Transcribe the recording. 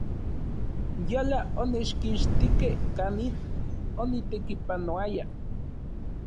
Yala onechkixtikej kanin onitekipanoaya.